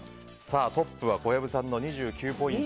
トップは小籔さんの２９ポイント。